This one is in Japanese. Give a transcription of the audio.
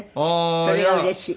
それがうれしい。